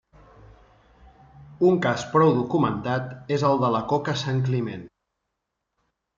Un cas prou documentat és el de la Coca Sant Climent.